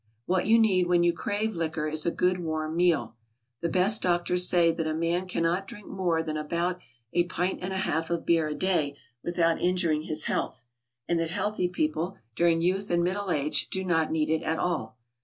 What you need when you crave liquor is a good, warm meal. The best doctors say that a man cannot drink more than about a pint and a half of beer a day without injuring his health; and that healthy people, during youth and middle age, do not need it at all.